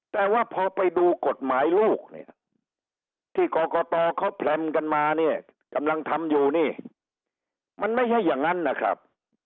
แต่ว่าพอไปดูกฎหมายลูกเนี่ยที่กรกตเขาแพรมกันมาเนี่ยกำลังทำอยู่นี่มันไม่ใช่อย่างนั้นนะครับ